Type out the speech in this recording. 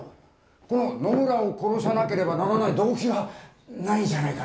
この野村を殺さなければならない動機がないんじゃないかね？